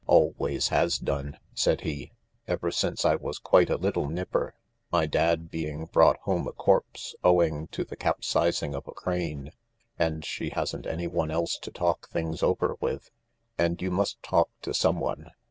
"Always has done," said he, "ever since I was quite a little nipper, my dad being brought home a corpse owing to the capsizing of a crane, and she hadn't anyone else to talk things over with. And you must talk to someone."